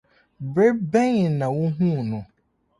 Bere bɛn na wuhuu no?